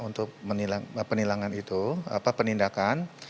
untuk penilangan itu penindakan